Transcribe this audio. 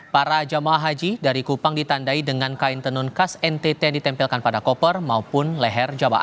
para jemaah haji dari kupang ditandai dengan kain tenun khas ntt yang ditempelkan pada koper maupun leher jemaah